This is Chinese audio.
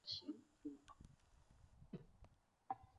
林福喜为中国清朝武官。